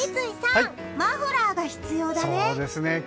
三井さん、マフラーが必要だね。